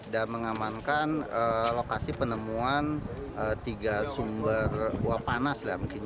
dan mengamankan lokasi penemuan tiga sumber buah panas